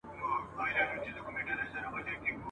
یوه بل ته چي ورکړي مو وه زړونه `